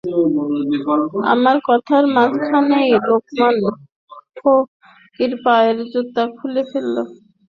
আমার কথার মাঝখানেই লোকমান ফকির পায়ের জুতো খুলে ফেলল, মোজা খুলল।